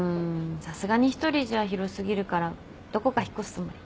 さすがに１人じゃ広過ぎるからどこか引っ越すつもり。